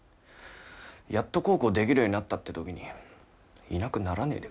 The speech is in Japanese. やっと孝行できるようになったって時に、いなくならねぇで